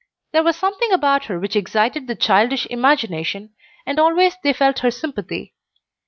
There was something about her which excited the childish imagination, and always they felt her sympathy.